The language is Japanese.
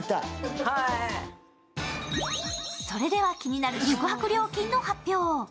それでは気になる宿泊料金の発表。